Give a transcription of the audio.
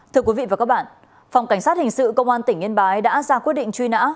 thưa quý vị và các bạn phòng cảnh sát hình sự công an tỉnh yên bái đã ra quyết định truy nã